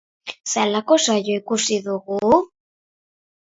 Zelako saioa ikusiko dugu?